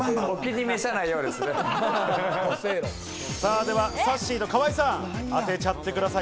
では、さっしーと河井さん、当てちゃってください！